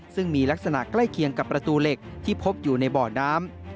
ซึ่งมีลักษณะใกล้เคียงกับประตูเหล็กที่พบอยู่ในบ่อน้ำ